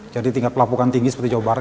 jadi tingkat pelapukan tinggi seperti jawa barat